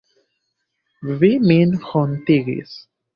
Vi min hontigis.